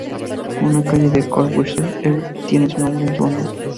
Una calle en Courville-sur-eure tiene su nombre en su honor.